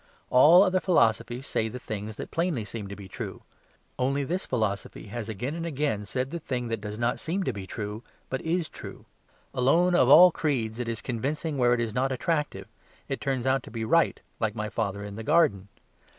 All other philosophies say the things that plainly seem to be true; only this philosophy has again and again said the thing that does not seem to be true, but is true. Alone of all creeds it is convincing where it is not attractive; it turns out to be right, like my father in the garden.